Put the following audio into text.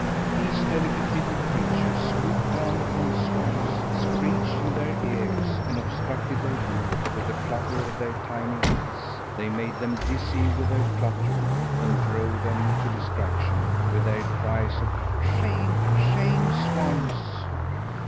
These delicate little creatures swooped down upon the swans, screeched in their ears, and obstructed their view with the flutter of their tiny wings. They made them dizzy with their fluttering and drove them to distraction with their cries of "Shame, shame, swans!"